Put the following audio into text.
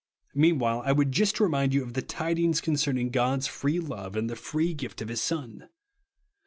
Meanwdiile, T w^ould just remind you of the tidings con cerning God's free love, in the free gift of 1 lis Son.